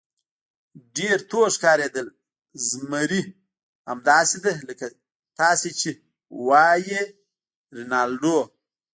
ډېر تور ښکارېدل، زمري: همداسې ده لکه تاسې چې وایئ رینالډو.